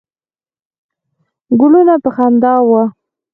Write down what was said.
ګلونه په خندا وه.